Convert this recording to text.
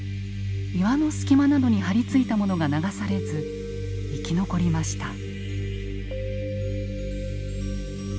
岩の隙間などに張り付いたものが流されず生き残りました。